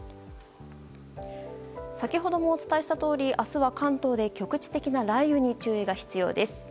先ほどもお伝えしたとおり明日は関東で局地的な雷雨に注意が必要です。